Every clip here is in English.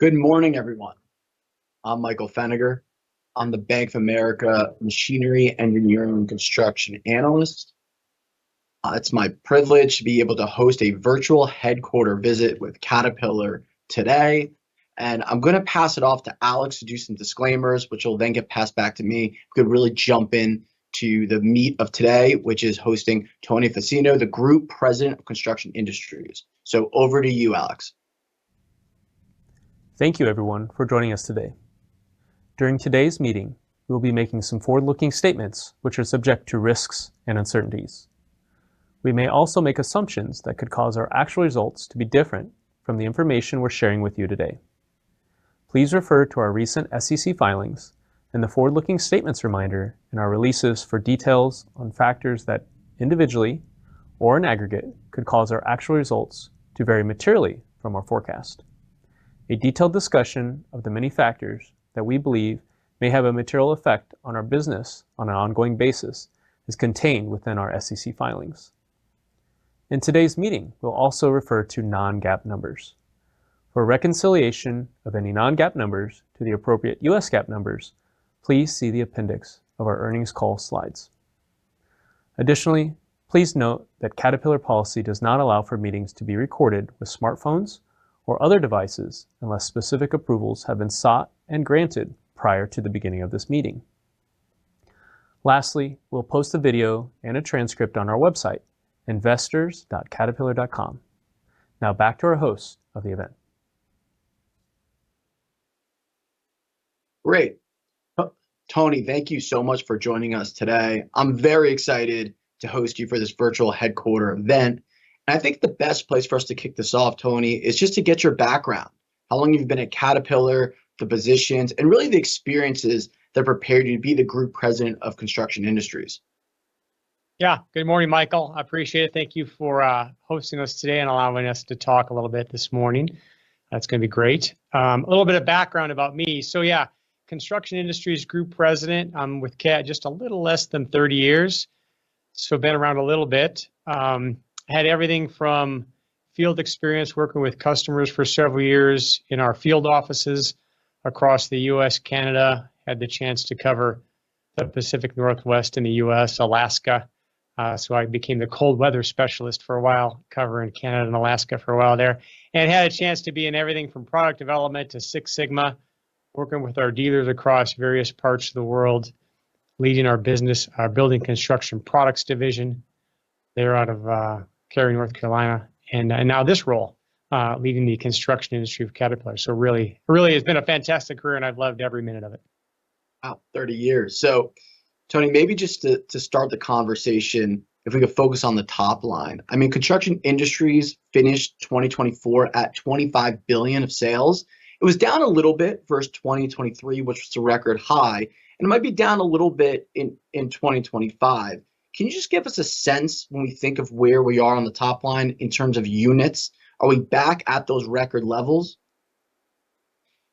Good morning, everyone. I'm Michael Feniger. I'm the Bank of America Machinery Engineering and Construction Analyst. It's my privilege to be able to host a virtual headquarter visit with Caterpillar today. I'm going to pass it off to Alex to do some disclaimers, which will then get passed back to me. We could really jump into the meat of today, which is hosting Tony Fassino, the Group President of Construction Industries. Over to you, Alex. Thank you, everyone, for joining us today. During today's meeting, we will be making some forward-looking statements, which are subject to risks and uncertainties. We may also make assumptions that could cause our actual results to be different from the information we're sharing with you today. Please refer to our recent SEC filings and the forward-looking statements reminder in our releases for details on factors that individually or in aggregate could cause our actual results to vary materially from our forecast. A detailed discussion of the many factors that we believe may have a material effect on our business on an ongoing basis is contained within our SEC filings. In today's meeting, we'll also refer to non-GAAP numbers. For reconciliation of any non-GAAP numbers to the appropriate U.S. GAAP numbers, please see the appendix of our earnings call slides. Additionally, please note that Caterpillar policy does not allow for meetings to be recorded with smartphones or other devices unless specific approvals have been sought and granted prior to the beginning of this meeting. Lastly, we'll post a video and a transcript on our website, investors.caterpillar.com. Now, back to our host of the event. Great. Tony, thank you so much for joining us today. I'm very excited to host you for this virtual headquarter event. I think the best place for us to kick this off, Tony, is just to get your background. How long have you been at Caterpillar, the positions, and really the experiences that prepared you to be the Group President of Construction Industries? Yeah. Good morning, Michael. I appreciate it. Thank you for hosting us today and allowing us to talk a little bit this morning. That's going to be great. A little bit of background about me. So yeah, Construction Industries Group President, I'm with CAT just a little less than 30 years. So I've been around a little bit. I had everything from field experience working with customers for several years in our field offices across the U.S., Canada. I had the chance to cover the Pacific Northwest in the U.S., Alaska. I became the cold weather specialist for a while, covering Canada and Alaska for a while there. I had a chance to be in everything from product development to Six Sigma, working with our dealers across various parts of the world, leading our business, building construction products division. They're out of Cary, North Carolina. Now this role, leading the construction industry of Caterpillar. It has been a fantastic career, and I've loved every minute of it. Wow, 30 years. Tony, maybe just to start the conversation, if we could focus on the top line. I mean, Construction Industries finished 2024 at $25 billion of sales. It was down a little bit versus 2023, which was a record high. It might be down a little bit in 2025. Can you just give us a sense when we think of where we are on the top line in terms of units? Are we back at those record levels?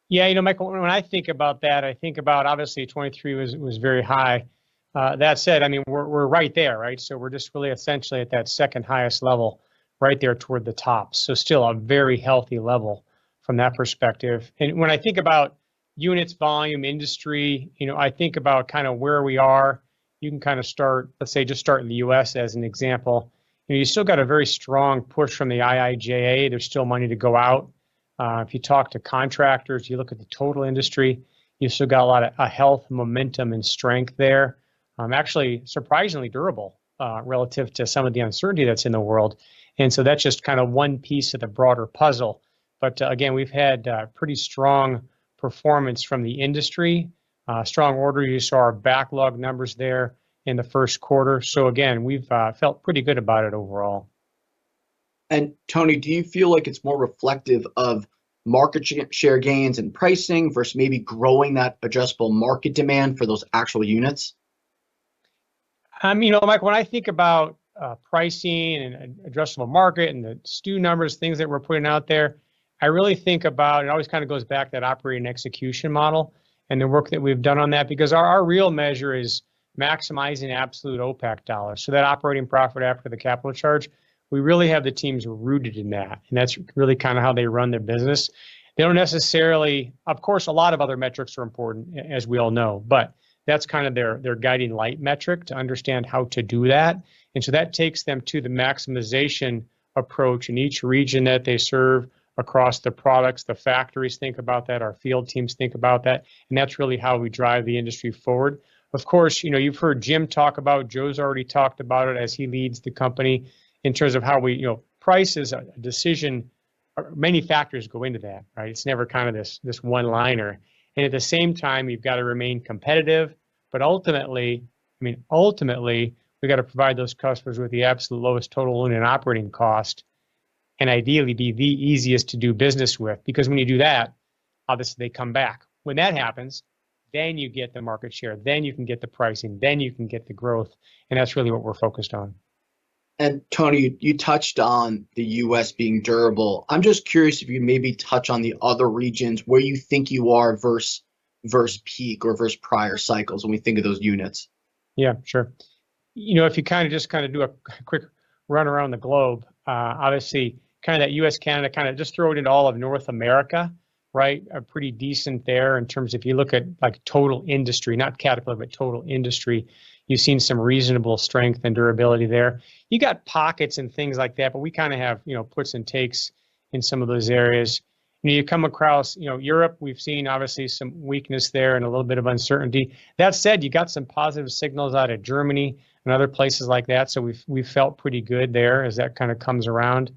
Yeah. You know, Michael, when I think about that, I think about, obviously, 2023 was very high. That said, I mean, we're right there, right? We're just really essentially at that second highest level, right there toward the top. Still a very healthy level from that perspective. When I think about units, volume, industry, you know, I think about kind of where we are. You can kind of start, let's say, just start in the U.S. as an example. You still got a very strong push from the IIJA. There's still money to go out. If you talk to contractors, you look at the total industry, you still got a lot of health, momentum, and strength there. Actually, surprisingly durable relative to some of the uncertainty that's in the world. That's just kind of one piece of the broader puzzle. Again, we've had pretty strong performance from the industry. Strong order use are our backlog numbers there in the first quarter. Again, we've felt pretty good about it overall. Tony, do you feel like it is more reflective of market share gains and pricing versus maybe growing that adjustable market demand for those actual units? You know, Michael, when I think about pricing and adjustable market and the STU numbers, things that we're putting out there, I really think about, it always kind of goes back to that operating execution model and the work that we've done on that, because our real measure is maximizing absolute OPACC dollars, so that operating profit after the capital charge. We really have the teams rooted in that. That's really kind of how they run their business. They don't necessarily, of course, a lot of other metrics are important, as we all know, but that's kind of their guiding light metric to understand how to do that. That takes them to the maximization approach in each region that they serve across the products. The factories think about that. Our field teams think about that. That's really how we drive the industry forward. Of course, you've heard Jim talk about it. Joe's already talked about it as he leads the company in terms of how we price is a decision. Many factors go into that, right? It's never kind of this one-liner. At the same time, you've got to remain competitive. Ultimately, I mean, ultimately, we've got to provide those customers with the absolute lowest total loan and operating cost and ideally be the easiest to do business with. Because when you do that, obviously, they come back. When that happens, you get the market share. You can get the pricing. You can get the growth. That's really what we're focused on. Tony, you touched on the U.S. being durable. I'm just curious if you maybe touch on the other regions where you think you are versus peak or versus prior cycles when we think of those units. Yeah, sure. You know, if you kind of just kind of do a quick run around the globe, obviously, kind of that U.S., Canada, kind of just throw it into all of North America, right? Pretty decent there in terms of if you look at total industry, not Caterpillar, but total industry, you've seen some reasonable strength and durability there. You got pockets and things like that, but we kind of have puts and takes in some of those areas. You come across Europe, we've seen obviously some weakness there and a little bit of uncertainty. That said, you got some positive signals out of Germany and other places like that. You know, we felt pretty good there as that kind of comes around.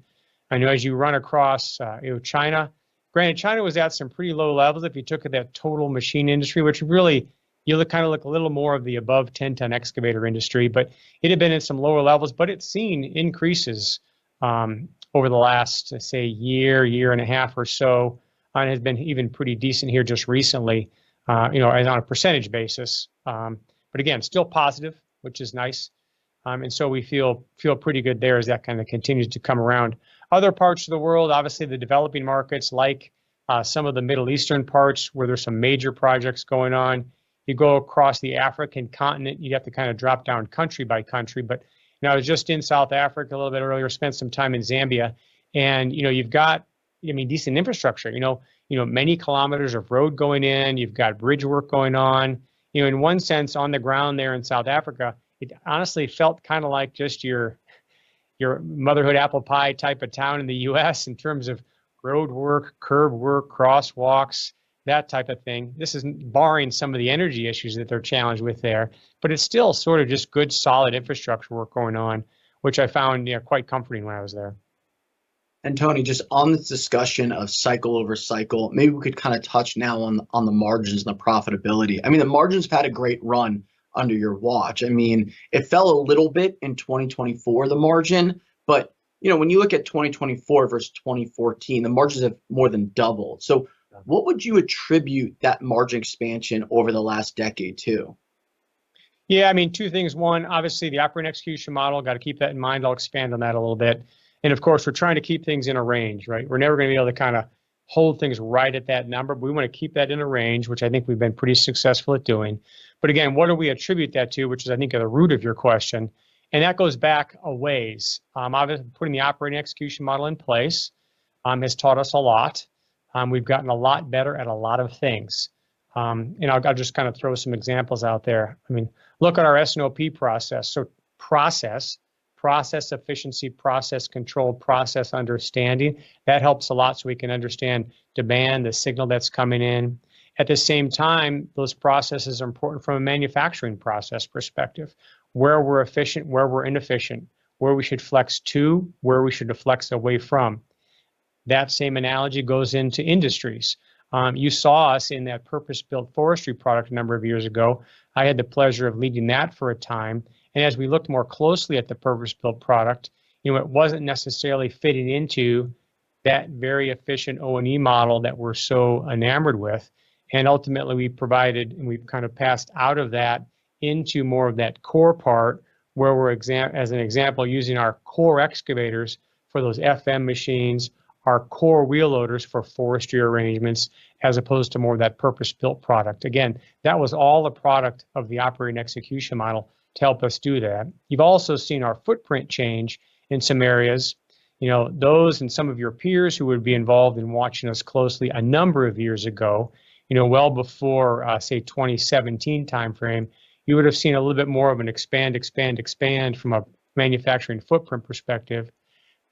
I know as you run across China, granted, China was at some pretty low levels if you took it that total machine industry, which really you look kind of look a little more of the above 10-ton excavator industry, but it had been at some lower levels, but it's seen increases over the last, say, year, year and a half or so, and has been even pretty decent here just recently, you know, on a percentage basis. Again, still positive, which is nice. We feel pretty good there as that kind of continues to come around. Other parts of the world, obviously the developing markets, like some of the Middle Eastern parts where there's some major projects going on. You go across the African continent, you have to kind of drop down country by country. Now just in South Africa a little bit earlier, spent some time in Zambia. And you've got, I mean, decent infrastructure. You know, many kilometers of road going in. You've got bridge work going on. In one sense, on the ground there in South Africa, it honestly felt kind of like just your motherhood apple pie type of town in the U.S. in terms of road work, curb work, crosswalks, that type of thing. This is barring some of the energy issues that they're challenged with there. But it's still sort of just good solid infrastructure work going on, which I found quite comforting when I was there. Tony, just on this discussion of cycle over cycle, maybe we could kind of touch now on the margins and the profitability. I mean, the margins have had a great run under your watch. I mean, it fell a little bit in 2024, the margin. But when you look at 2024 versus 2014, the margins have more than doubled. What would you attribute that margin expansion over the last decade to? Yeah, I mean, two things. One, obviously the operating execution model, got to keep that in mind. I'll expand on that a little bit. Of course, we're trying to keep things in a range, right? We're never going to be able to kind of hold things right at that number, but we want to keep that in a range, which I think we've been pretty successful at doing. Again, what do we attribute that to, which is, I think, at the root of your question. That goes back a ways. Obviously, putting the operating execution model in place has taught us a lot. We've gotten a lot better at a lot of things. I'll just kind of throw some examples out there. I mean, look at our S&OP process. Process, process efficiency, process control, process understanding. That helps a lot so we can understand demand, the signal that's coming in. At the same time, those processes are important from a manufacturing process perspective. Where we're efficient, where we're inefficient, where we should flex to, where we should deflect away from. That same analogy goes into industries. You saw us in that purpose-built forestry product a number of years ago. I had the pleasure of leading that for a time. As we looked more closely at the purpose-built product, it wasn't necessarily fitting into that very efficient O&E model that we're so enamored with. Ultimately, we provided and we've kind of passed out of that into more of that core part where we're, as an example, using our core excavators for those FM machines, our core wheel loaders for forestry arrangements, as opposed to more of that purpose-built product. Again, that was all a product of the operating execution model to help us do that. You have also seen our footprint change in some areas. Those and some of your peers who would be involved in watching us closely a number of years ago, well before, say, 2017 timeframe, you would have seen a little bit more of an expand, expand, expand from a manufacturing footprint perspective.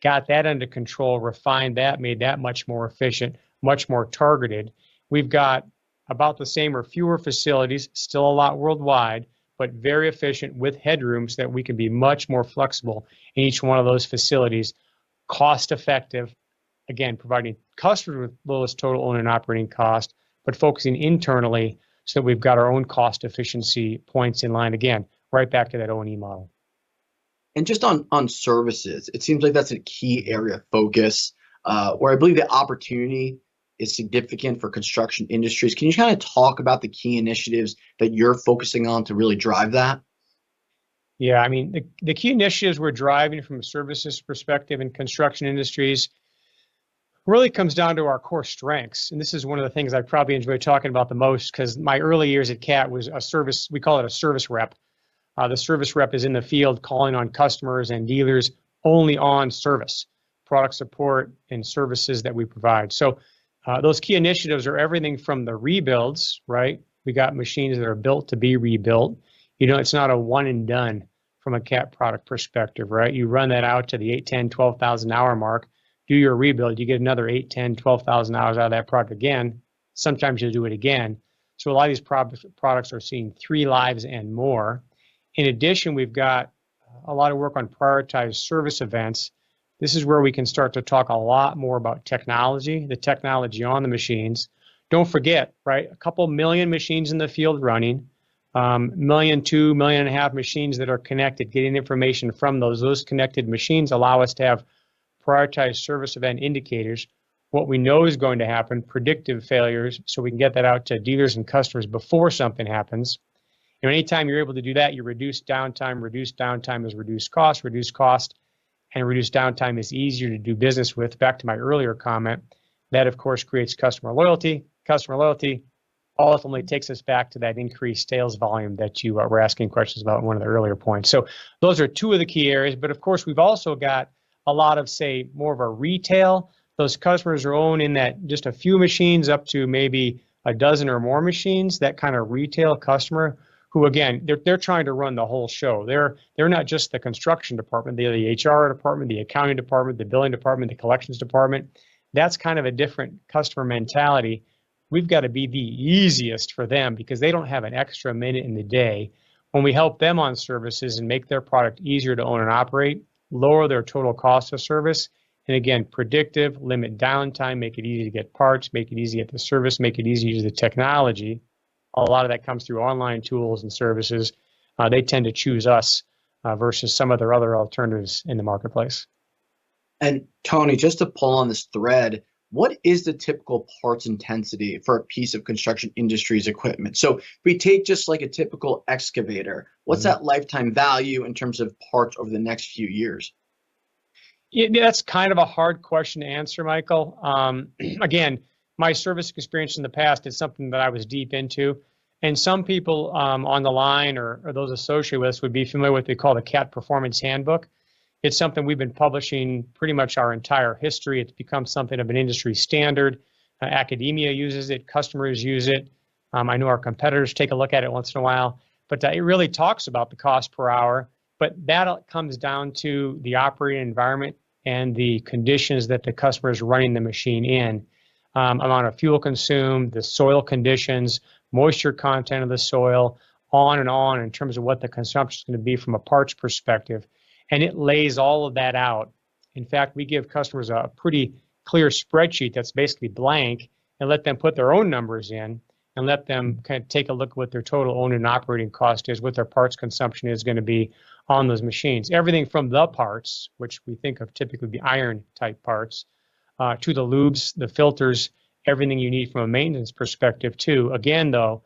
Got that under control, refined that, made that much more efficient, much more targeted. We have got about the same or fewer facilities, still a lot worldwide, but very efficient with headrooms that we can be much more flexible in each one of those facilities, cost-effective, again, providing customers with lowest total owned and operating cost, but focusing internally so that we have got our own cost efficiency points in line. Again, right back to that O&E model. Just on services, it seems like that's a key area of focus where I believe the opportunity is significant for construction industries. Can you just kind of talk about the key initiatives that you're focusing on to really drive that? Yeah. I mean, the key initiatives we're driving from a services perspective in construction industries really comes down to our core strengths. This is one of the things I probably enjoy talking about the most because my early years at CAT was a service, we call it a service rep. The service rep is in the field calling on customers and dealers only on service, product support, and services that we provide. Those key initiatives are everything from the rebuilds, right? We got machines that are built to be rebuilt. It's not a one-and-done from a CAT product perspective, right? You run that out to the 8,000, 10,000, 12,000-hour mark. Do your rebuild, you get another 8,000, 10,000, 12,000 hours out of that product again. Sometimes you'll do it again. A lot of these products are seeing three lives and more. In addition, we've got a lot of work on prioritized service events. This is where we can start to talk a lot more about technology, the technology on the machines. Don't forget, right? A couple million machines in the field running, million to a million and a half machines that are connected, getting information from those. Those connected machines allow us to have prioritized service event indicators, what we know is going to happen, predictive failures, so we can get that out to dealers and customers before something happens. Anytime you're able to do that, you reduce downtime. Reduced downtime is reduced cost. Reduced cost and reduced downtime is easier to do business with. Back to my earlier comment, that of course creates customer loyalty. Customer loyalty ultimately takes us back to that increased sales volume that you were asking questions about in one of the earlier points. Those are two of the key areas. Of course, we've also got a lot of, say, more of a retail. Those customers are owning just a few machines up to maybe a dozen or more machines, that kind of retail customer who, again, they're trying to run the whole show. They're not just the construction department, the HR department, the accounting department, the billing department, the collections department. That's kind of a different customer mentality. We've got to be the easiest for them because they don't have an extra minute in the day. When we help them on services and make their product easier to own and operate, lower their total cost of service, and again, predictive, limit downtime, make it easy to get parts, make it easy to get the service, make it easy to use the technology. A lot of that comes through online tools and services. They tend to choose us versus some of their other alternatives in the marketplace. Tony, just to pull on this thread, what is the typical parts intensity for a piece of construction industry's equipment? If we take just like a typical excavator, what's that lifetime value in terms of parts over the next few years? Yeah, that's kind of a hard question to answer, Michael. Again, my service experience in the past is something that I was deep into. Some people on the line or those associated with us would be familiar with what they call the CAT Performance Handbook. It's something we've been publishing pretty much our entire history. It's become something of an industry standard. Academia uses it. Customers use it. I know our competitors take a look at it once in a while. It really talks about the cost per hour. That comes down to the operating environment and the conditions that the customer is running the machine in, amount of fuel consumed, the soil conditions, moisture content of the soil, on and on in terms of what the consumption is going to be from a parts perspective. It lays all of that out. In fact, we give customers a pretty clear spreadsheet that is basically blank and let them put their own numbers in and let them kind of take a look at what their total owned and operating cost is, what their parts consumption is going to be on those machines. Everything from the parts, which we think of typically as iron-type parts, to the lubes, the filters, everything you need from a maintenance perspective too. Again, though,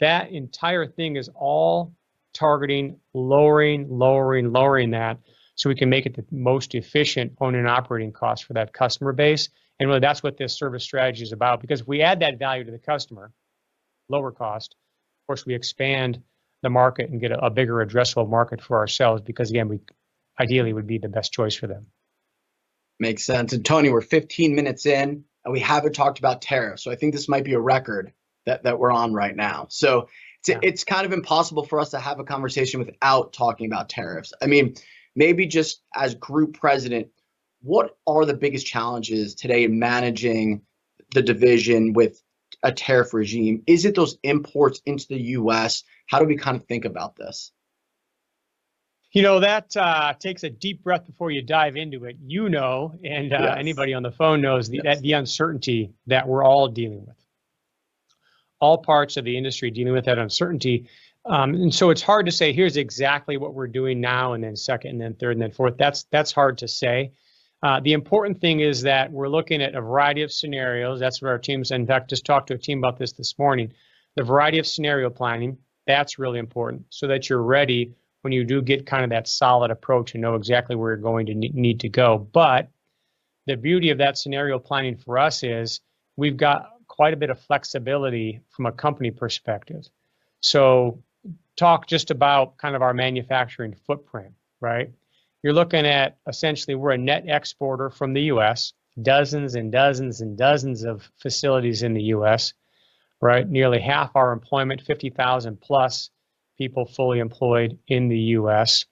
that entire thing is all targeting, lowering, lowering, lowering that so we can make it the most efficient owned and operating cost for that customer base. Really, that is what this service strategy is about. Because if we add that value to the customer, lower cost, of course, we expand the market and get a bigger addressable market for ourselves because, again, we ideally would be the best choice for them. Makes sense. Tony, we're 15 minutes in, and we haven't talked about tariffs. I think this might be a record that we're on right now. It's kind of impossible for us to have a conversation without talking about tariffs. I mean, maybe just as Group President, what are the biggest challenges today in managing the division with a tariff regime? Is it those imports into the U.S.? How do we kind of think about this? You know, that takes a deep breath before you dive into it. You know, and anybody on the phone knows the uncertainty that we're all dealing with. All parts of the industry dealing with that uncertainty. It's hard to say, here's exactly what we're doing now, and then second, and then third, and then fourth. That's hard to say. The important thing is that we're looking at a variety of scenarios. That's where our teams, in fact, just talked to a team about this this morning. The variety of scenario planning, that's really important so that you're ready when you do get kind of that solid approach and know exactly where you're going to need to go. The beauty of that scenario planning for us is we've got quite a bit of flexibility from a company perspective. Talk just about kind of our manufacturing footprint, right? You're looking at essentially we're a net exporter from the U.S., dozens and dozens and dozens of facilities in the U.S., right? Nearly half our employment, 50,000+ people fully employed in the U.S.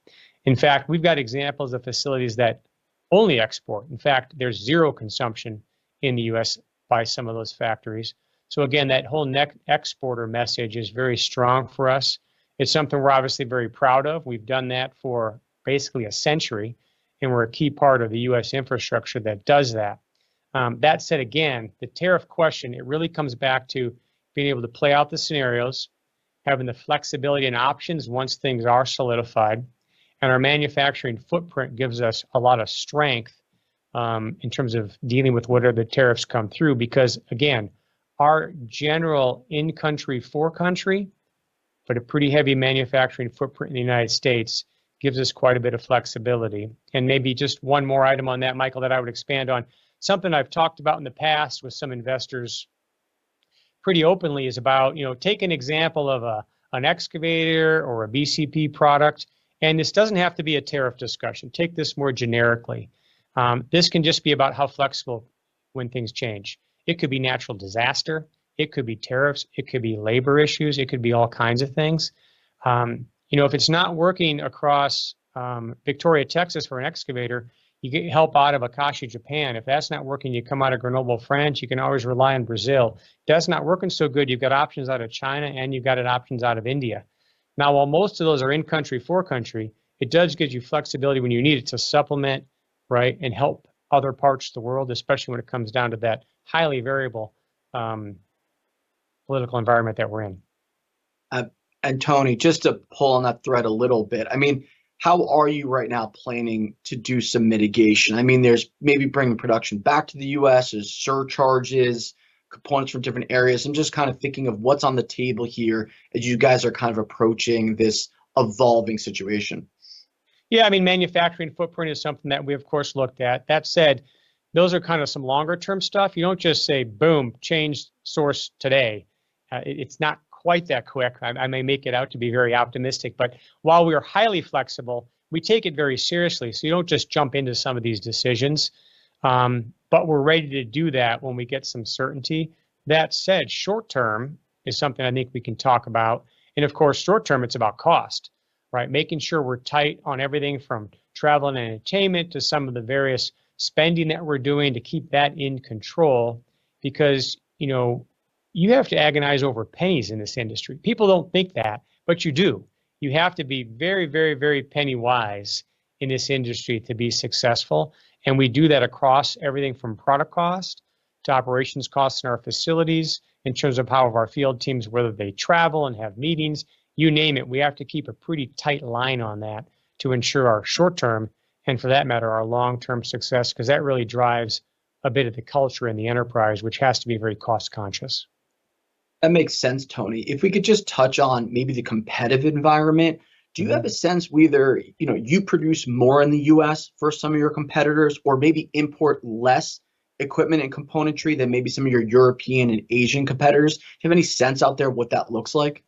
In fact, we've got examples of facilities that only export. In fact, there's zero consumption in the U.S. by some of those factories. Again, that whole net exporter message is very strong for us. It's something we're obviously very proud of. We've done that for basically a century, and we're a key part of the U.S. infrastructure that does that. That said, again, the tariff question, it really comes back to being able to play out the scenarios, having the flexibility and options once things are solidified. Our manufacturing footprint gives us a lot of strength in terms of dealing with whatever the tariffs come through. Because again, our general in-country, for country, but a pretty heavy manufacturing footprint in the United States gives us quite a bit of flexibility. Maybe just one more item on that, Michael, that I would expand on. Something I've talked about in the past with some investors pretty openly is about take an example of an excavator or a BCP product, and this does not have to be a tariff discussion. Take this more generically. This can just be about how flexible when things change. It could be natural disaster. It could be tariffs. It could be labor issues. It could be all kinds of things. If it is not working across Victoria, Texas, for an excavator, you get help out of Akashi, Japan. If that is not working, you come out of Grenoble, France, you can always rely on Brazil. If that's not working so good, you've got options out of China, and you've got options out of India. Now, while most of those are in-country, for country, it does give you flexibility when you need it to supplement and help other parts of the world, especially when it comes down to that highly variable political environment that we're in. Tony, just to pull on that thread a little bit, I mean, how are you right now planning to do some mitigation? I mean, there's maybe bringing production back to the U.S., surcharges, components from different areas. I'm just kind of thinking of what's on the table here as you guys are kind of approaching this evolving situation. Yeah. I mean, manufacturing footprint is something that we've, of course, looked at. That said, those are kind of some longer-term stuff. You don't just say, boom, change source today. It's not quite that quick. I may make it out to be very optimistic, but while we are highly flexible, we take it very seriously. You don't just jump into some of these decisions, but we're ready to do that when we get some certainty. That said, short-term is something I think we can talk about. Of course, short-term, it's about cost, right? Making sure we're tight on everything from travel and entertainment to some of the various spending that we're doing to keep that in control because you have to agonize over pennies in this industry. People don't think that, but you do. You have to be very, very, very penny-wise in this industry to be successful. We do that across everything from product cost to operations costs in our facilities in terms of how our field teams, whether they travel and have meetings, you name it, we have to keep a pretty tight line on that to ensure our short-term and for that matter, our long-term success because that really drives a bit of the culture in the enterprise, which has to be very cost-conscious. That makes sense, Tony. If we could just touch on maybe the competitive environment, do you have a sense whether you produce more in the U.S. for some of your competitors or maybe import less equipment and componentry than maybe some of your European and Asian competitors? Do you have any sense out there what that looks like?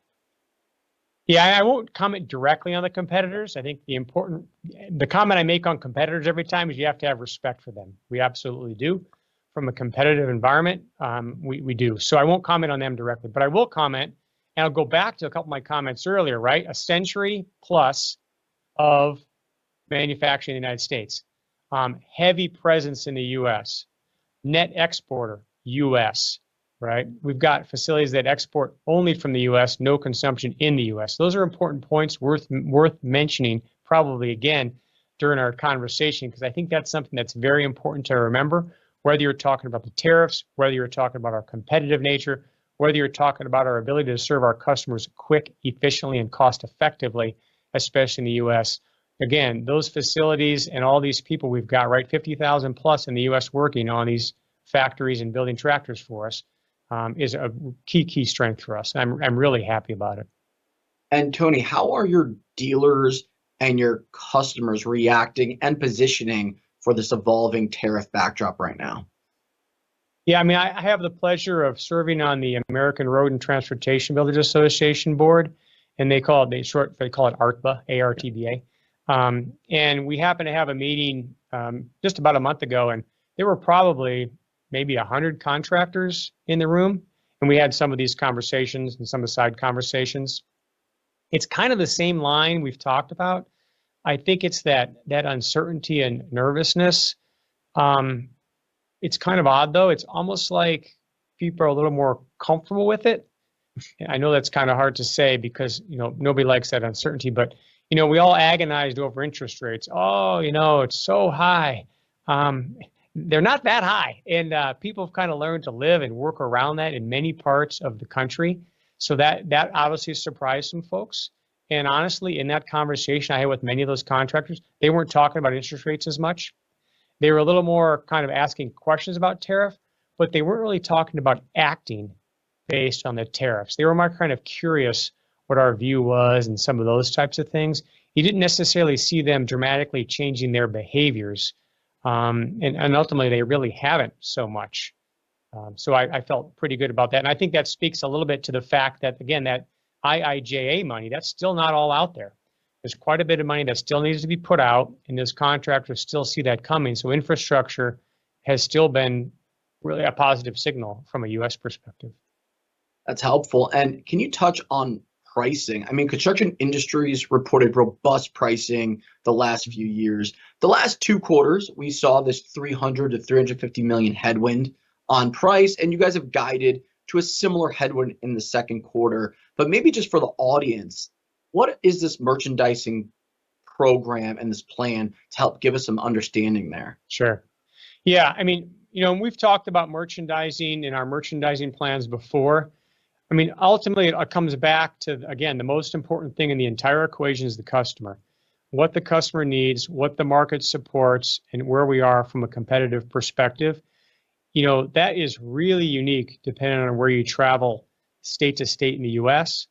Yeah. I won't comment directly on the competitors. I think the comment I make on competitors every time is you have to have respect for them. We absolutely do. From a competitive environment, we do. I won't comment on them directly. I will comment, and I'll go back to a couple of my comments earlier, right? A century plus of manufacturing in the United States, heavy presence in the U.S., net exporter, U.S., right? We've got facilities that export only from the U.S., no consumption in the U.S. Those are important points worth mentioning probably, again, during our conversation because I think that's something that's very important to remember, whether you're talking about the tariffs, whether you're talking about our competitive nature, whether you're talking about our ability to serve our customers quick, efficiently, and cost-effectively, especially in the U.S. Again, those facilities and all these people we've got, right? 50,000+ in the U.S. working on these factories and building tractors for us is a key, key strength for us. I'm really happy about it. Tony, how are your dealers and your customers reacting and positioning for this evolving tariff backdrop right now? Yeah. I mean, I have the pleasure of serving on the American Road and Transportation Builders Association board, and they call it ARTBA, A-R-T-B-A. We happened to have a meeting just about a month ago, and there were probably maybe 100 contractors in the room. We had some of these conversations and some of the side conversations. It's kind of the same line we've talked about. I think it's that uncertainty and nervousness. It's kind of odd, though. It's almost like people are a little more comfortable with it. I know that's kind of hard to say because nobody likes that uncertainty. We all agonized over interest rates. Oh, you know, it's so high. They're not that high. People have kind of learned to live and work around that in many parts of the country. That obviously surprised some folks. Honestly, in that conversation I had with many of those contractors, they were not talking about interest rates as much. They were a little more kind of asking questions about tariff, but they were not really talking about acting based on the tariffs. They were more kind of curious what our view was and some of those types of things. You did not necessarily see them dramatically changing their behaviors. Ultimately, they really have not so much. I felt pretty good about that. I think that speaks a little bit to the fact that, again, that IIJA money, that is still not all out there. There is quite a bit of money that still needs to be put out, and those contractors still see that coming. Infrastructure has still been really a positive signal from a U.S. perspective. That's helpful. Can you touch on pricing? I mean, construction industries reported robust pricing the last few years. The last two quarters, we saw this $300 million-$350 million headwind on price. You guys have guided to a similar headwind in the second quarter. Maybe just for the audience, what is this merchandising program and this plan to help give us some understanding there? Sure. Yeah. I mean, we've talked about merchandising in our merchandising plans before. I mean, ultimately, it comes back to, again, the most important thing in the entire equation is the customer. What the customer needs, what the market supports, and where we are from a competitive perspective, that is really unique depending on where you travel state to state in the U.S.,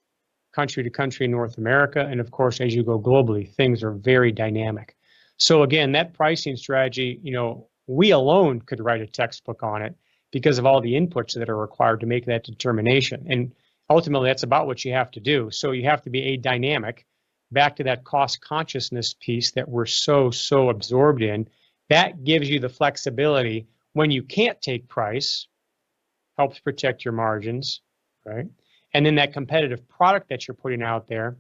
country to country in North America. Of course, as you go globally, things are very dynamic. Again, that pricing strategy, we alone could write a textbook on it because of all the inputs that are required to make that determination. Ultimately, that's about what you have to do. You have to be dynamic back to that cost consciousness piece that we're so, so absorbed in. That gives you the flexibility. When you can't take price, helps protect your margins, right? That competitive product that you're putting out there,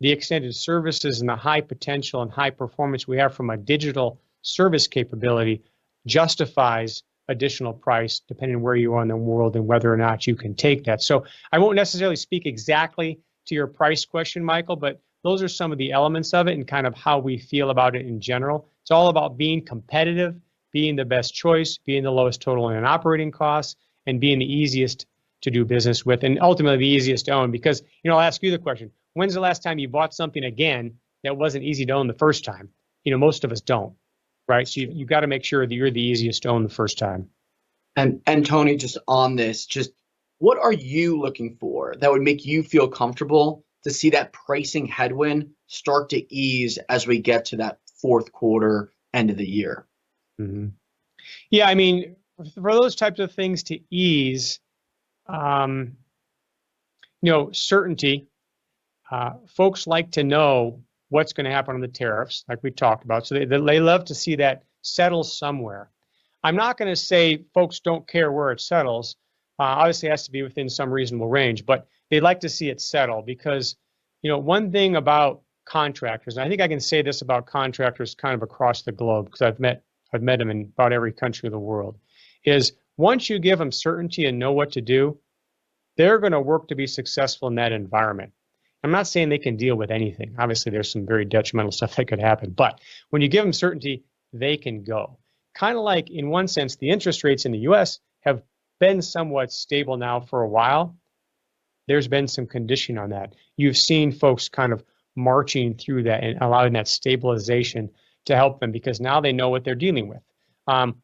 the extended services and the high potential and high performance we have from a digital service capability justifies additional price depending on where you are in the world and whether or not you can take that. I won't necessarily speak exactly to your price question, Michael, but those are some of the elements of it and kind of how we feel about it in general. It's all about being competitive, being the best choice, being the lowest total and operating costs, and being the easiest to do business with, and ultimately the easiest to own. Because I'll ask you the question, when's the last time you bought something again that wasn't easy to own the first time? Most of us don't, right? You've got to make sure that you're the easiest to own the first time. Tony, just on this, just what are you looking for that would make you feel comfortable to see that pricing headwind start to ease as we get to that fourth quarter end of the year? Yeah. I mean, for those types of things to ease, certainty. Folks like to know what's going to happen on the tariffs, like we talked about. They love to see that settle somewhere. I'm not going to say folks don't care where it settles. Obviously, it has to be within some reasonable range, but they'd like to see it settle because one thing about contractors, and I think I can say this about contractors kind of across the globe because I've met them in about every country of the world, is once you give them certainty and know what to do, they're going to work to be successful in that environment. I'm not saying they can deal with anything. Obviously, there's some very detrimental stuff that could happen. When you give them certainty, they can go. Kind of like in one sense, the interest rates in the U.S. have been somewhat stable now for a while. There's been some conditioning on that. You've seen folks kind of marching through that and allowing that stabilization to help them because now they know what they're dealing with.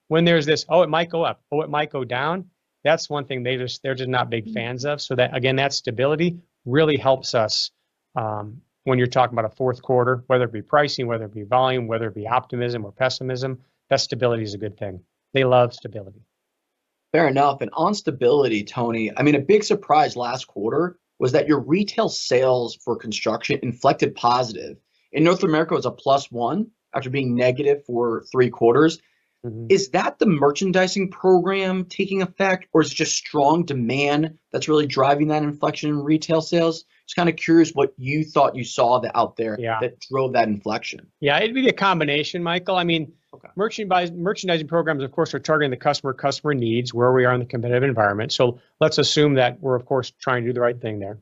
When there's this, "Oh, it might go up. Oh, it might go down," that's one thing they're just not big fans of. That stability really helps us when you're talking about a fourth quarter, whether it be pricing, whether it be volume, whether it be optimism or pessimism, that stability is a good thing. They love stability. Fair enough. On stability, Tony, I mean, a big surprise last quarter was that your retail sales for construction inflected positive. In North America, it was a plus one after being negative for three quarters. Is that the merchandising program taking effect, or is it just strong demand that's really driving that inflection in retail sales? Just kind of curious what you thought you saw out there that drove that inflection. Yeah. It'd be a combination, Michael. I mean, merchandising programs, of course, are targeting the customer customer needs, where we are in the competitive environment. Let's assume that we're, of course, trying to do the right thing there.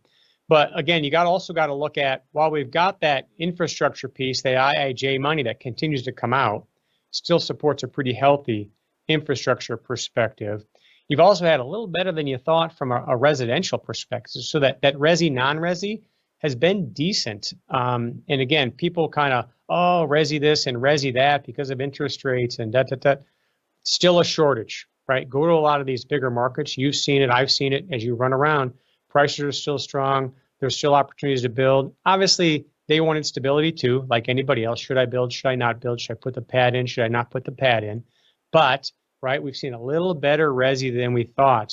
You also got to look at while we've got that infrastructure piece, the IIJA money that continues to come out still supports a pretty healthy infrastructure perspective. You've also had a little better than you thought from a residential perspective. That resi, non-resi has been decent. People kind of, "Oh, resi this and resi that because of interest rates and dah, dah, dah," still a shortage, right? Go to a lot of these bigger markets. You've seen it. I've seen it. As you run around, prices are still strong. There's still opportunities to build. Obviously, they wanted stability too, like anybody else. Should I build? Should I not build? Should I put the pad in? Should I not put the pad in? We have seen a little better resi than we thought.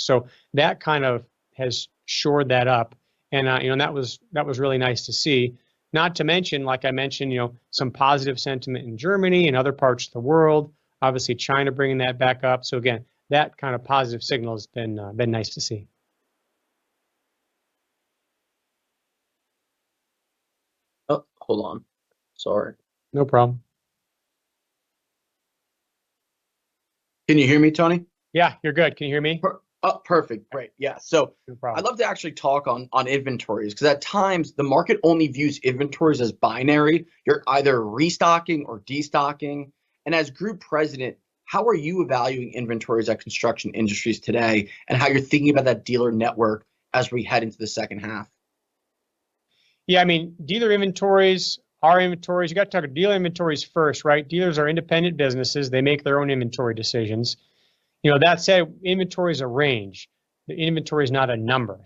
That kind of has shored that up. That was really nice to see. Not to mention, like I mentioned, some positive sentiment in Germany and other parts of the world, obviously China bringing that back up. Again, that kind of positive signal has been nice to see. Hold on. Sorry. No problem. Can you hear me, Tony? Yeah. You're good. Can you hear me? Perfect. Great. Yeah. I'd love to actually talk on inventories because at times, the market only views inventories as binary. You're either restocking or destocking. As Group President, how are you evaluating inventories at Construction Industries today and how you're thinking about that dealer network as we head into the second half? Yeah. I mean, dealer inventories, our inventories, you got to talk dealer inventories first, right? Dealers are independent businesses. They make their own inventory decisions. That said, inventory is a range. The inventory is not a number.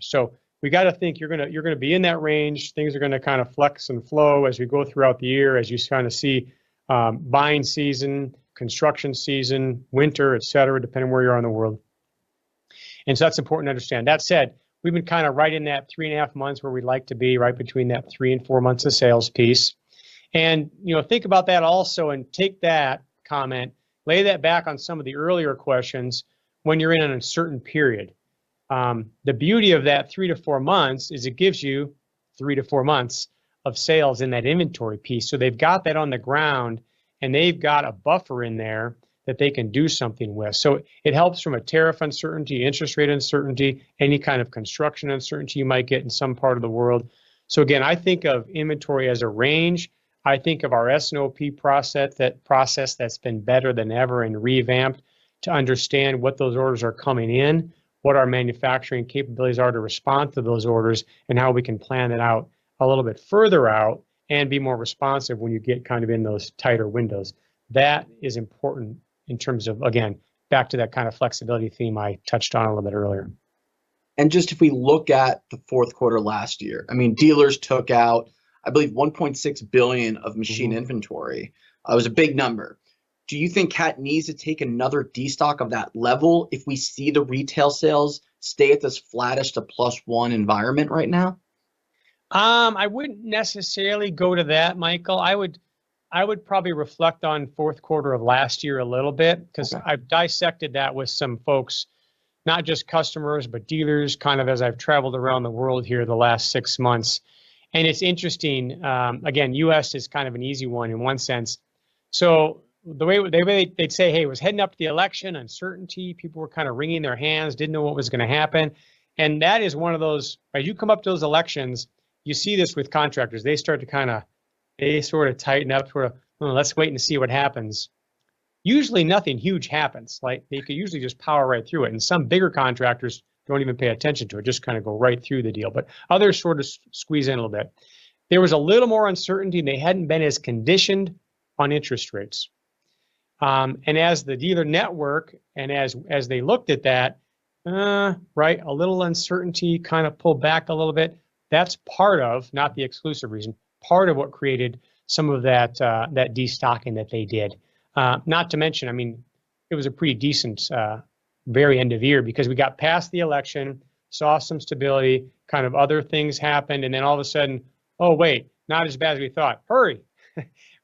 You got to think you're going to be in that range. Things are going to kind of flex and flow as we go throughout the year, as you kind of see buying season, construction season, winter, etc., depending where you are in the world. That is important to understand. That said, we've been kind of right in that three and a half months where we'd like to be, right between that three and four months of sales piece. Think about that also and take that comment, lay that back on some of the earlier questions when you're in a certain period. The beauty of that three to four months is it gives you three to four months of sales in that inventory piece. They have that on the ground, and they have a buffer in there that they can do something with. It helps from a tariff uncertainty, interest rate uncertainty, any kind of construction uncertainty you might get in some part of the world. I think of inventory as a range. I think of our S&OP process that's been better than ever and revamped to understand what those orders are coming in, what our manufacturing capabilities are to respond to those orders, and how we can plan it out a little bit further out and be more responsive when you get kind of in those tighter windows. That is important in terms of, again, back to that kind of flexibility theme I touched on a little bit earlier. If we look at the fourth quarter last year, I mean, dealers took out, I believe, $1.6 billion of machine inventory. It was a big number. Do you think CAT needs to take another destock of that level if we see the retail sales stay at this flattest to plus one environment right now? I wouldn't necessarily go to that, Michael. I would probably reflect on fourth quarter of last year a little bit because I've dissected that with some folks, not just customers, but dealers kind of as I've traveled around the world here the last six months. It's interesting. Again, U.S. is kind of an easy one in one sense. They'd say, "Hey, it was heading up to the election, uncertainty." People were kind of wringing their hands, didn't know what was going to happen. That is one of those, as you come up to those elections, you see this with contractors. They start to kind of, they sort of tighten up, sort of, "Let's wait and see what happens." Usually, nothing huge happens. They could usually just power right through it. Some bigger contractors do not even pay attention to it, just kind of go right through the deal. Others sort of squeeze in a little bit. There was a little more uncertainty, and they had not been as conditioned on interest rates. As the dealer network and as they looked at that, a little uncertainty kind of pulled back a little bit. That is part of, not the exclusive reason, part of what created some of that destocking that they did. Not to mention, I mean, it was a pretty decent very end of year because we got past the election, saw some stability, kind of other things happened. All of a sudden, "Oh, wait, not as bad as we thought. Hurry."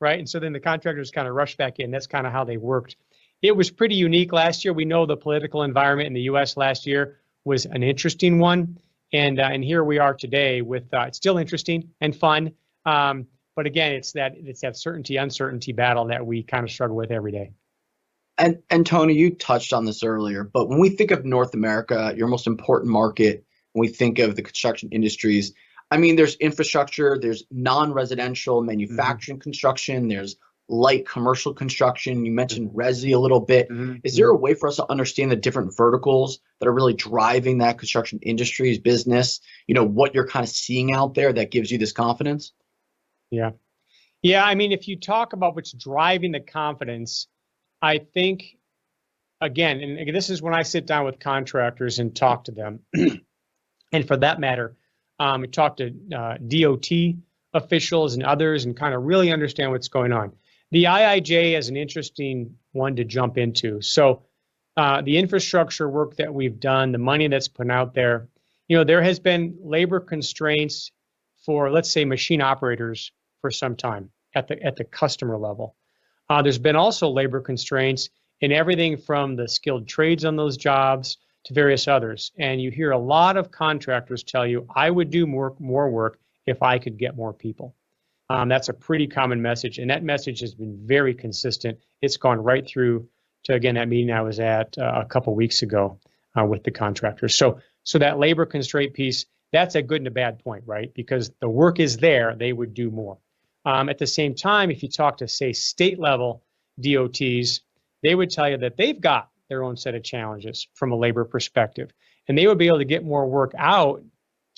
Right? The contractors kind of rushed back in. That is kind of how they worked. It was pretty unique last year. We know the political environment in the U.S. last year was an interesting one. Here we are today with it still interesting and fun. Again, it's that certainty, uncertainty battle that we kind of struggle with every day. Tony, you touched on this earlier, but when we think of North America, your most important market, when we think of the construction industries, I mean, there's infrastructure, there's non-residential manufacturing construction, there's light commercial construction. You mentioned resi a little bit. Is there a way for us to understand the different verticals that are really driving that construction industry's business, what you're kind of seeing out there that gives you this confidence? Yeah. Yeah. I mean, if you talk about what's driving the confidence, I think, again, and this is when I sit down with contractors and talk to them. For that matter, I talk to DOT officials and others and kind of really understand what's going on. The IIJA is an interesting one to jump into. The infrastructure work that we've done, the money that's put out there, there has been labor constraints for, let's say, machine operators for some time at the customer level. There's been also labor constraints in everything from the skilled trades on those jobs to various others. You hear a lot of contractors tell you, "I would do more work if I could get more people." That's a pretty common message. That message has been very consistent. It's gone right through to, again, that meeting I was at a couple of weeks ago with the contractors. That labor constraint piece, that's a good and a bad point, right? Because the work is there, they would do more. At the same time, if you talk to, say, state-level DOTs, they would tell you that they've got their own set of challenges from a labor perspective. They would be able to get more work out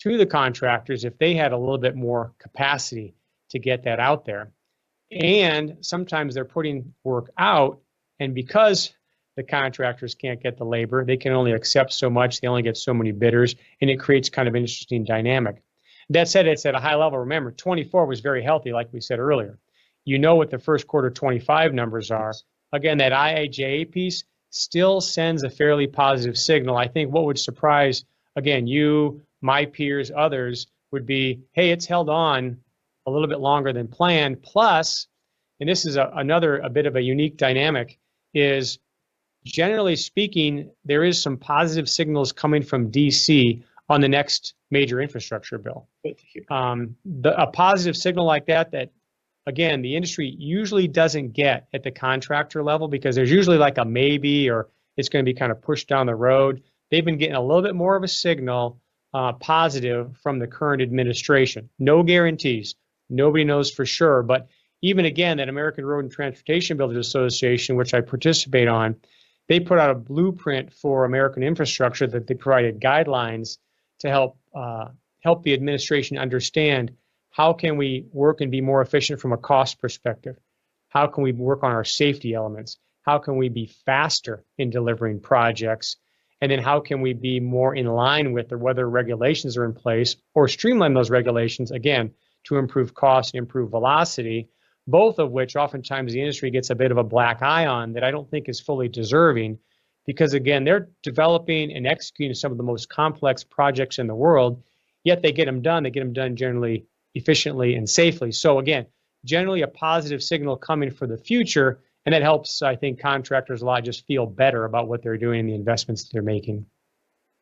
to the contractors if they had a little bit more capacity to get that out there. Sometimes they're putting work out, and because the contractors can't get the labor, they can only accept so much. They only get so many bidders. It creates kind of an interesting dynamic. That said, it's at a high level. Remember, 2024 was very healthy, like we said earlier. You know what the first quarter 2025 numbers are. Again, that IIJA piece still sends a fairly positive signal. I think what would surprise, again, you, my peers, others would be, "Hey, it's held on a little bit longer than planned." Plus, and this is another bit of a unique dynamic, is generally speaking, there are some positive signals coming from D.C. on the next major infrastructure bill. A positive signal like that, that again, the industry usually doesn't get at the contractor level because there's usually like a maybe or it's going to be kind of pushed down the road. They've been getting a little bit more of a signal positive from the current administration. No guarantees. Nobody knows for sure. Even again, that American Road and Transportation Builders Association, which I participate on, they put out a blueprint for American infrastructure that they provided guidelines to help the administration understand how can we work and be more efficient from a cost perspective. How can we work on our safety elements? How can we be faster in delivering projects? How can we be more in line with whether regulations are in place or streamline those regulations, again, to improve cost and improve velocity, both of which oftentimes the industry gets a bit of a black eye on that I do not think is fully deserving because, again, they are developing and executing some of the most complex projects in the world, yet they get them done. They get them done generally efficiently and safely. Again, generally a positive signal coming for the future. It helps, I think, contractors a lot just feel better about what they're doing and the investments they're making.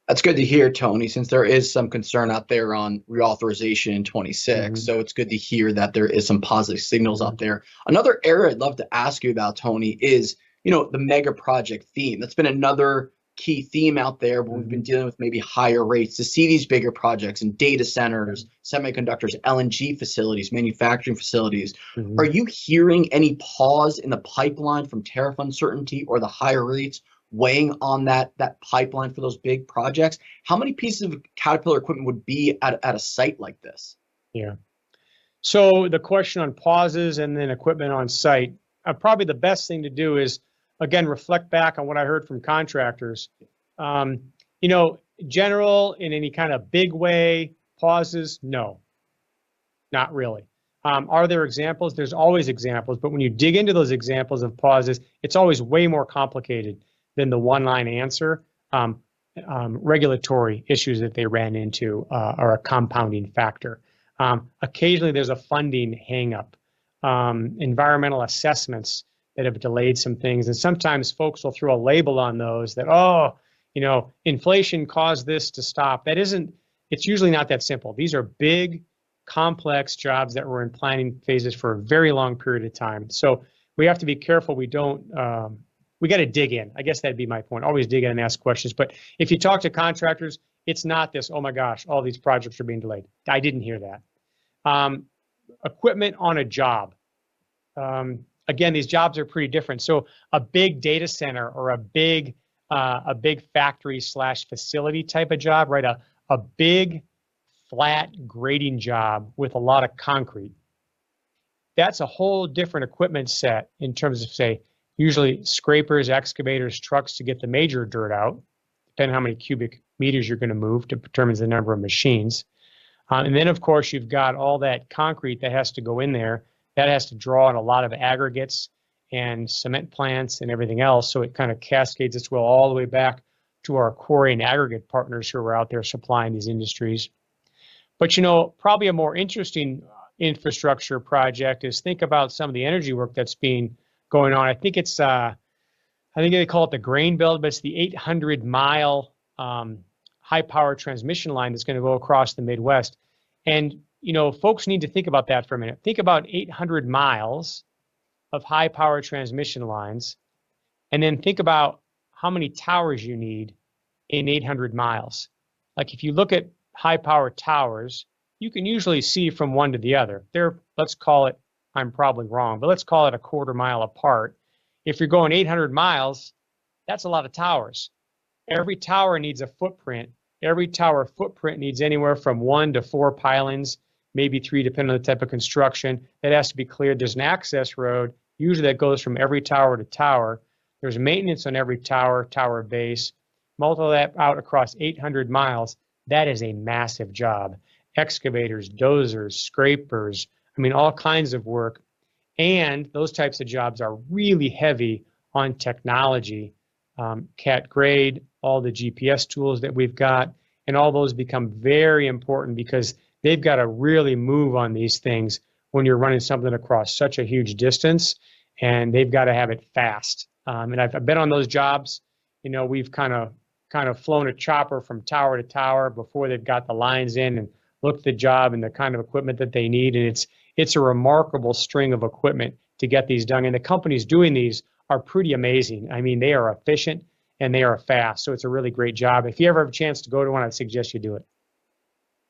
That's good to hear, Tony, since there is some concern out there on reauthorization in 2026. It's good to hear that there are some positive signals out there. Another area I'd love to ask you about, Tony, is the mega project theme. That's been another key theme out there where we've been dealing with maybe higher rates to see these bigger projects in data centers, semiconductors, LNG facilities, manufacturing facilities. Are you hearing any pause in the pipeline from tariff uncertainty or the higher rates weighing on that pipeline for those big projects? How many pieces of Caterpillar equipment would be at a site like this? Yeah. The question on pauses and then equipment on site, probably the best thing to do is, again, reflect back on what I heard from contractors. General in any kind of big way, pauses, no, not really. Are there examples? There's always examples. When you dig into those examples of pauses, it's always way more complicated than the one-line answer. Regulatory issues that they ran into are a compounding factor. Occasionally, there's a funding hang-up, environmental assessments that have delayed some things. Sometimes folks will throw a label on those that, "Oh, inflation caused this to stop." It's usually not that simple. These are big, complex jobs that were in planning phases for a very long period of time. We have to be careful. We got to dig in. I guess that'd be my point. Always dig in and ask questions. If you talk to contractors, it's not this, "Oh my gosh, all these projects are being delayed." I didn't hear that. Equipment on a job. Again, these jobs are pretty different. A big data center or a big factory/facility type of job, right? A big flat grading job with a lot of concrete. That's a whole different equipment set in terms of, say, usually scrapers, excavators, trucks to get the major dirt out, depending on how many cubic meters you're going to move to determine the number of machines. Of course, you've got all that concrete that has to go in there. That has to draw on a lot of aggregates and cement plants and everything else. It kind of cascades its will all the way back to our quarry and aggregate partners who are out there supplying these industries. Probably a more interesting infrastructure project is, think about some of the energy work that's been going on. I think they call it the Grain Belt, but it's the 800 mi high-power transmission line that's going to go across the Midwest. Folks need to think about that for a minute. Think about 800 mi of high-power transmission lines, and then think about how many towers you need in 800 mi. If you look at high-power towers, you can usually see from one to the other. Let's call it, I'm probably wrong, but let's call it a quarter mile apart. If you're going 800 mi, that's a lot of towers. Every tower needs a footprint. Every tower footprint needs anywhere from one to four pilings, maybe three, depending on the type of construction. It has to be cleared. There's an access road. Usually, that goes from every tower to tower. There's maintenance on every tower, tower base. Multiple out across 800 mi. That is a massive job. Excavators, dozers, scrapers, I mean, all kinds of work. And those types of jobs are really heavy on technology, CAT Grade, all the GPS tools that we've got. All those become very important because they've got to really move on these things when you're running something across such a huge distance, and they've got to have it fast. I've been on those jobs. We've kind of flown a chopper from tower to tower before they've got the lines in and looked at the job and the kind of equipment that they need. It's a remarkable string of equipment to get these done. The companies doing these are pretty amazing. I mean, they are efficient, and they are fast. It's a really great job. If you ever have a chance to go to one, I'd suggest you do it.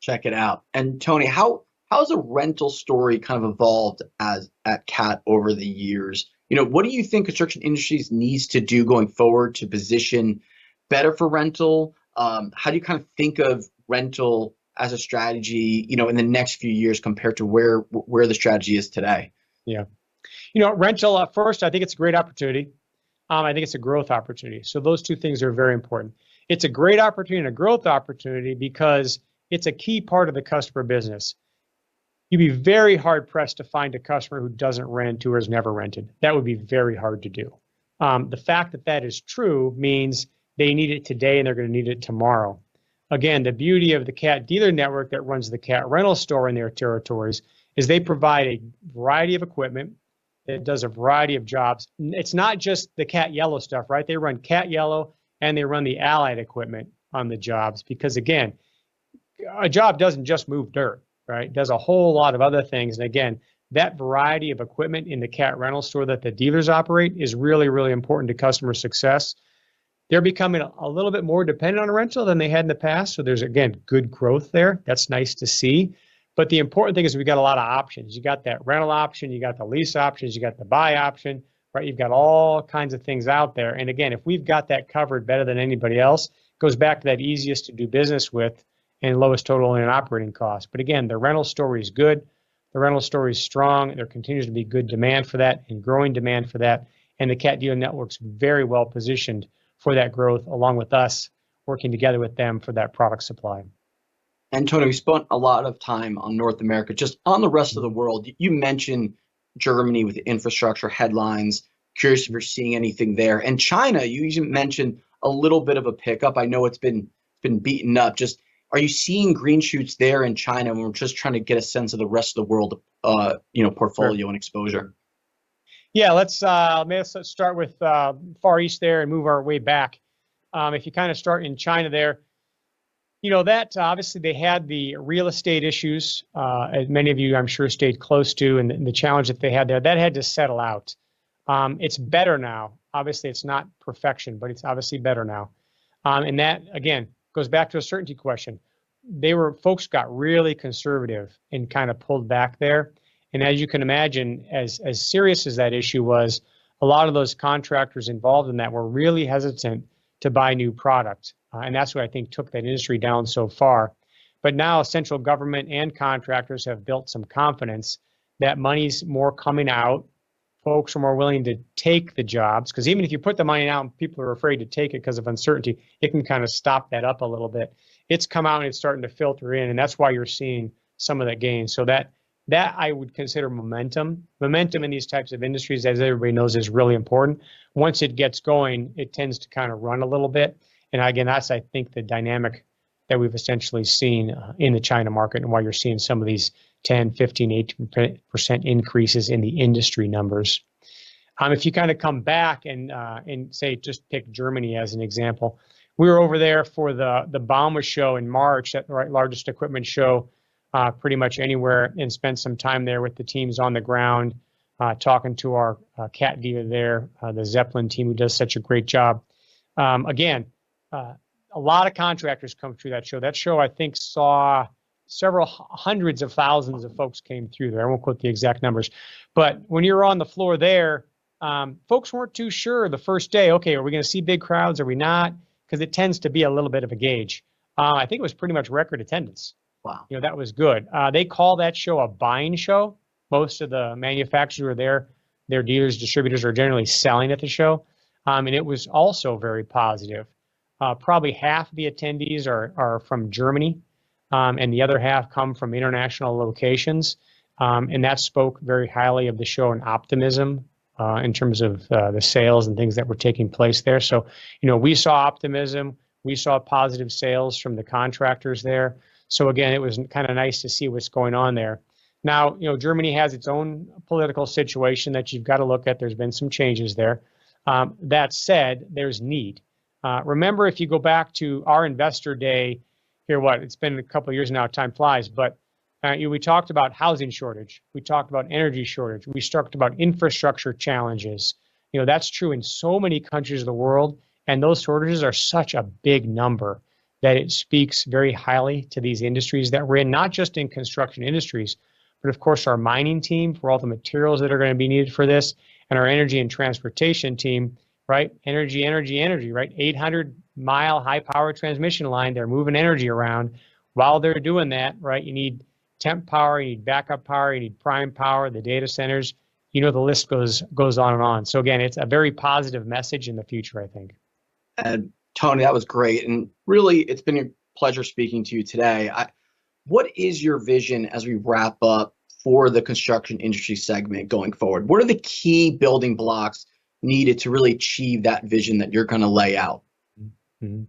Check it out. Tony, how has the rental story kind of evolved at CAT over the years? What do you think construction industries need to do going forward to position better for rental? How do you kind of think of rental as a strategy in the next few years compared to where the strategy is today? Yeah. Rental at first, I think it's a great opportunity. I think it's a growth opportunity. Those two things are very important. It's a great opportunity and a growth opportunity because it's a key part of the customer business. You'd be very hard-pressed to find a customer who doesn't rent or has never rented. That would be very hard to do. The fact that that is true means they need it today, and they're going to need it tomorrow. Again, the beauty of the CAT dealer network that runs the CAT rental store in their territories is they provide a variety of equipment that does a variety of jobs. It's not just the CAT yellow stuff, right? They run CAT yellow, and they run the allied equipment on the jobs because, again, a job doesn't just move dirt, right? It does a whole lot of other things. That variety of equipment in the CAT rental store that the dealers operate is really, really important to customer success. They're becoming a little bit more dependent on rental than they had in the past. There is, again, good growth there. That's nice to see. The important thing is we've got a lot of options. You've got that rental option. You've got the lease option. You've got the buy option, right? You've got all kinds of things out there. If we've got that covered better than anybody else, it goes back to that easiest to do business with and lowest total in operating costs. The rental story is good. The rental story is strong. There continues to be good demand for that and growing demand for that. The CAT dealer network's very well positioned for that growth along with us working together with them for that product supply. Tony, we spent a lot of time on North America. Just on the rest of the world, you mentioned Germany with infrastructure headlines. Curious if you're seeing anything there. And China, you even mentioned a little bit of a pickup. I know it's been beaten up. Just are you seeing green shoots there in China? We're just trying to get a sense of the rest of the world portfolio and exposure. Yeah. Let's start with far east there and move our way back. If you kind of start in China there, obviously, they had the real estate issues that many of you, I'm sure, stayed close to and the challenge that they had there. That had to settle out. It's better now. Obviously, it's not perfection, but it's obviously better now. That, again, goes back to a certainty question. Folks got really conservative and kind of pulled back there. As you can imagine, as serious as that issue was, a lot of those contractors involved in that were really hesitant to buy new product. That's what I think took that industry down so far. Now central government and contractors have built some confidence that money's more coming out. Folks are more willing to take the jobs because even if you put the money out and people are afraid to take it because of uncertainty, it can kind of stop that up a little bit. It has come out and it is starting to filter in. That is why you are seeing some of that gain. I would consider that momentum. Momentum in these types of industries, as everybody knows, is really important. Once it gets going, it tends to kind of run a little bit. I think that is the dynamic that we have essentially seen in the China market and why you are seeing some of these 10%, 15%, 18% increases in the industry numbers. If you kind of come back and say, just pick Germany as an example, we were over there for the Bauma show in March, the largest equipment show pretty much anywhere, and spent some time there with the teams on the ground, talking to our CAT dealer there, the Zeppelin team, who does such a great job. Again, a lot of contractors come through that show. That show, I think, saw several hundreds of thousands of folks came through there. I won't quote the exact numbers. When you're on the floor there, folks weren't too sure the first day, "Okay, are we going to see big crowds? Are we not?" Because it tends to be a little bit of a gauge. I think it was pretty much record attendance. Wow. That was good. They call that show a buying show. Most of the manufacturers who are there, their dealers, distributors are generally selling at the show. It was also very positive. Probably half of the attendees are from Germany, and the other half come from international locations. That spoke very highly of the show and optimism in terms of the sales and things that were taking place there. We saw optimism. We saw positive sales from the contractors there. It was kind of nice to see what's going on there. Now, Germany has its own political situation that you've got to look at. There's been some changes there. That said, there's need. Remember, if you go back to our investor day, here what? It's been a couple of years now. Time flies. We talked about housing shortage. We talked about energy shortage. We talked about infrastructure challenges. That is true in so many countries of the world. Those shortages are such a big number that it speaks very highly to these industries that we are in, not just in construction industries, but of course, our mining team for all the materials that are going to be needed for this and our energy and transportation team, right? Energy, energy, energy, right? 800-mi high-power transmission line. They are moving energy around. While they are doing that, you need temp power. You need backup power. You need prime power, the data centers. The list goes on and on. It is a very positive message in the future, I think. Tony, that was great. Really, it's been a pleasure speaking to you today. What is your vision as we wrap up for the construction industry segment going forward? What are the key building blocks needed to really achieve that vision that you're going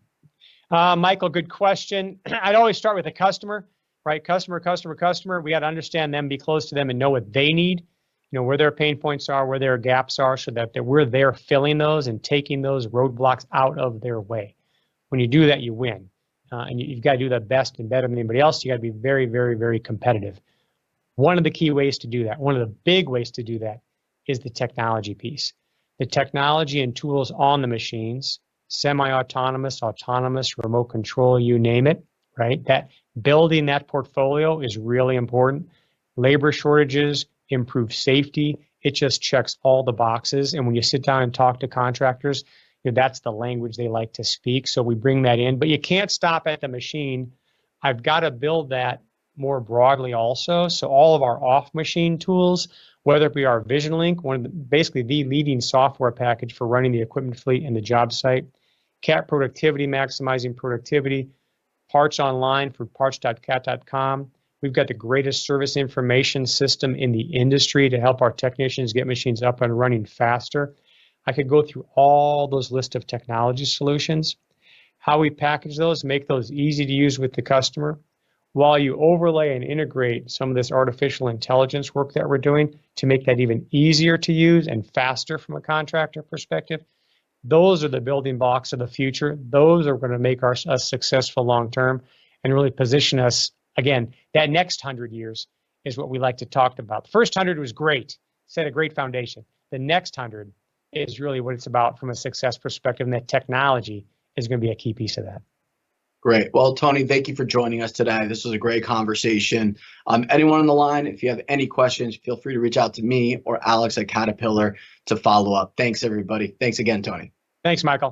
to lay out? Michael, good question. I'd always start with the customer, right? Customer, customer, customer. We got to understand them, be close to them, and know what they need, where their pain points are, where their gaps are so that we're there filling those and taking those roadblocks out of their way. When you do that, you win. You got to do the best and better than anybody else. You got to be very, very, very competitive. One of the key ways to do that, one of the big ways to do that, is the technology piece. The technology and tools on the machines, semi-autonomous, autonomous, remote control, you name it, right? Building that portfolio is really important. Labor shortages, improved safety. It just checks all the boxes. When you sit down and talk to contractors, that's the language they like to speak. We bring that in. You can't stop at the machine. I've got to build that more broadly also. All of our off-machine tools, whether it be our VisionLink, basically the leading software package for running the equipment fleet and the job site, CAT productivity, maximizing productivity, parts online for parts.cat.com. We've got the greatest service information system in the industry to help our technicians get machines up and running faster. I could go through all those lists of technology solutions, how we package those, make those easy to use with the customer. While you overlay and integrate some of this artificial intelligence work that we're doing to make that even easier to use and faster from a contractor perspective, those are the building blocks of the future. Those are going to make us successful long-term and really position us, again, that next 100 years is what we like to talk about. The first 100 was great. Set a great foundation. The next 100 is really what it's about from a success perspective, and that technology is going to be a key piece of that. Great. Tony, thank you for joining us today. This was a great conversation. Anyone on the line, if you have any questions, feel free to reach out to me or Alex at Caterpillar to follow up. Thanks, everybody. Thanks again, Tony. Thanks, Michael.